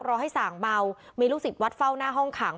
รอให้ส่างเมามีลูกศิษย์วัดเฝ้าหน้าห้องขัง